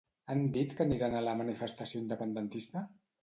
Han dit que aniran a la manifestació independentista?